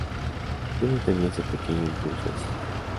Yo no tenía ese pequeño impulso extra.